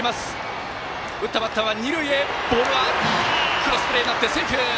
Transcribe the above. クロスプレーになってセーフ！